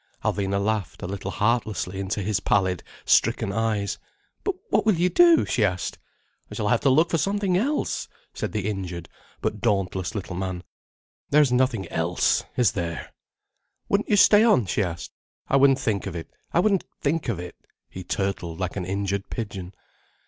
Alvina laughed, a little heartlessly, into his pallid, stricken eyes. "But what will you do?" she asked. "I shall have to look for something else," said the injured but dauntless little man. "There's nothing else, is there?" "Wouldn't you stay on?" she asked. "I wouldn't think of it. I wouldn't think of it." He turtled like an injured pigeon.